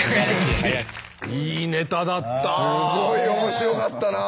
すごい面白かったな。